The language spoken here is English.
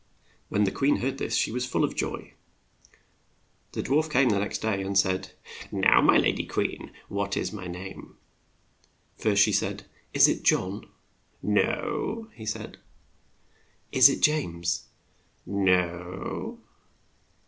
When the queen heard this she was full of joy. The dwarf came the next day and said : THE TWELVE BROTHERS 119 "Now, my lady queen, what is my name?" First she said "Is it John?" "No," said he. "Is it James?" "No."